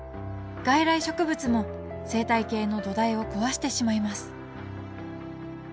外来植物も生態系の土台を壊してしまいます